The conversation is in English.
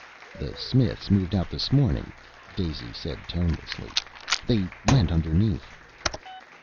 "The Smiths moved out this morning," Daisy said tonelessly. "They went underneath."